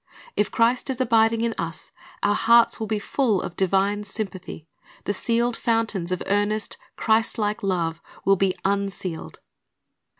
If Christ is abiding in us, our hearts will be full of di\ ine sympath)'. The sealed fountains of earnest, Christlike love will be unsealed.